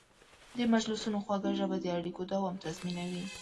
د مجلسونو خوږه ژبه د اړیکو دوام تضمینوي.